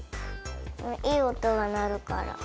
いいおとがなるから。